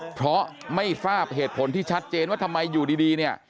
เพราะไม่ทราบเหตุผลที่ชัดเจนว่าทำไมอยู่ดีเนี่ย